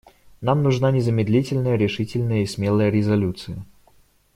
Нам нужна незамедлительная, решительная и смелая резолюция.